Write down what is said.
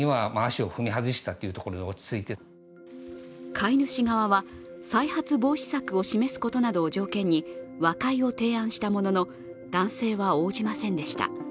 飼い主側は再発防止策を示すことなど条件に和解を提案したものの男性は応じませんでした。